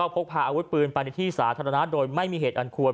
พวกพาอะไรพื้นปรรณะธิษศาสนาโดยไม่มีเหตุอันควร